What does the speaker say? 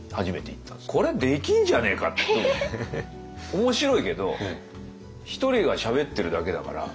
面白いけど１人がしゃべってるだけだから。